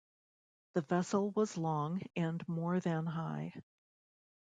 The vessel was long and more than high.